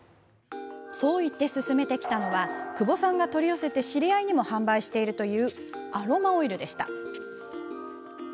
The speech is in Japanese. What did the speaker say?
そう言って勧めてきたのは久保さんが取り寄せて知り合いにも販売しているというアロマオイルでした。